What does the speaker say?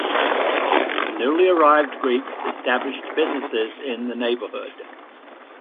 The newly arrived Greeks established businesses in the neighborhood.